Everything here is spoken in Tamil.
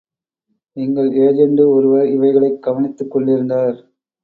எங்கள் ஏஜெண்டு ஒருவர் இவைகளைக் கவனித்துத் கொண்டிருந்தார்.